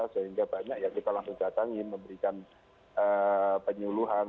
sehingga banyak yang kita langsung datangin memberikan penyuluhan